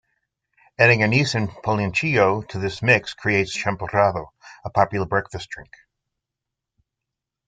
Adding anise and "piloncillo" to this mix creates "champurrado", a popular breakfast drink.